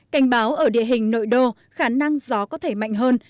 cảnh báo ở địa hình nội đô khả năng gió có thể mạnh hơn